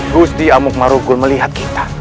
gusti amukmaru melihat kita